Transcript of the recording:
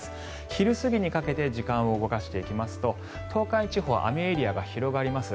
昼過ぎにかけて時間を動かしていきますと東海地方雨エリアが広がります。